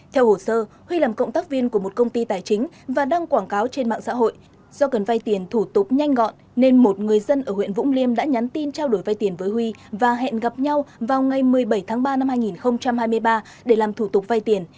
theo hồ sơ huy làm cộng tác viên của một công ty tài chính và đăng quảng cáo trên mạng xã hội do cần vay tiền thủ tục nhanh gọn nên một người dân ở huyện vũng liêm đã nhắn tin trao đổi vay tiền với huy và hẹn gặp nhau vào ngày một mươi bảy tháng ba năm hai nghìn hai mươi ba để làm thủ tục vay tiền